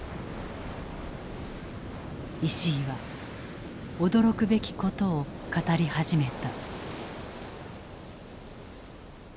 石井は驚くべきことを語り始めた。